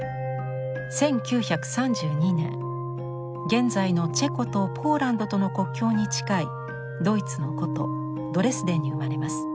１９３２年現在のチェコとポーランドとの国境に近いドイツの古都ドレスデンに生まれます。